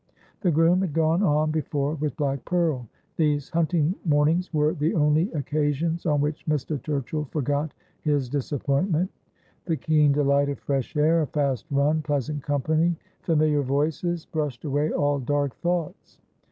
The groom had gone on before with Black Pearl. These hunting mornings were the only occasions on which Mr. Turchill forgot his disappointment. The keen delight of fresh air, a fast run, pleasant company, familiar voices, brushed away all dark thoughts.